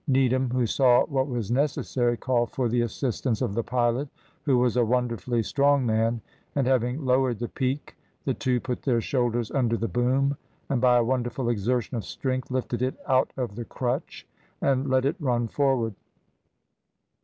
Needham, who saw what was necessary, called for the assistance of the pilot, who was a wonderfully strong man, and having lowered the peak, the two put their shoulders under the boom, and by a wonderful exertion of strength lifted it out of the crutch and let it run forward.